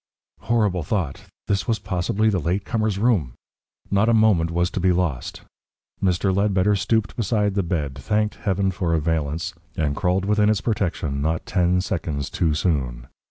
Horrible thought! This was possibly the latecomer's room! Not a moment was to be lost! Mr. Ledbetter stooped beside the bed, thanked Heaven for a valance, and crawled within its protection not ten seconds too soon.